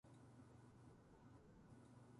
早寝、早起きをする。